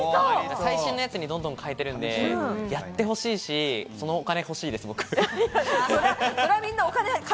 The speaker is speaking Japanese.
最新のやつにどんどん変えてるんで、やってほしいし、そのお金欲しいです、僕。